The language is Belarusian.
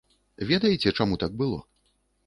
Ведаеце, чаму так было?